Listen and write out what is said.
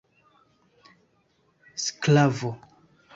sklavo